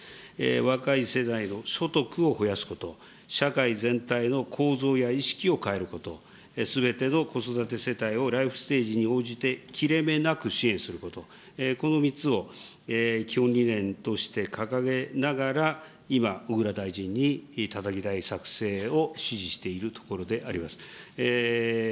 若い世代の所得を増やすこと、社会全体の構造や意識を変えること、すべての子育て世帯をライフステージに応じて、切れ目なく支援すること、この３つを基本理念として掲げながら、今、小倉大臣にたたき台作成を指示しているところであります。